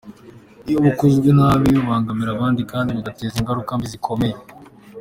Iyo bukozwe nabi bubangamira abandi kandi bugateza ingaruka mbi zikomeye.